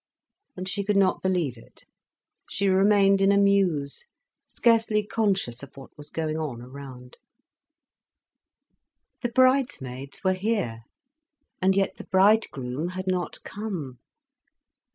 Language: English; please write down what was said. And she could not believe it, she remained in a muse, scarcely conscious of what was going on around. The bridesmaids were here, and yet the bridegroom had not come.